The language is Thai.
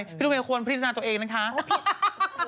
พี่ลูกแม่ควรพิจารณาตัวเองนะครับ